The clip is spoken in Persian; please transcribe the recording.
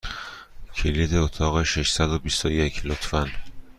کلید اتاق شماره ششصد و بیست و یک، لطفا!